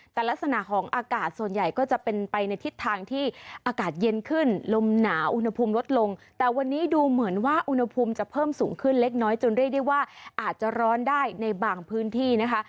แต่ลักษณะของอากาศส่วนใหญ่ก็จะเป็นไปในทิศทางที่อากาศเย็นขึ้นลมหนาอุณหภูมิลดลงแต่วันนี้ดูเหมือนว่าอุณหภูมิจะเพิ่มสูงขึ้นเล็กน้อยจนเรียกได้ว่าอาจจะร้อนได้ในบางพื้นที่นะคะ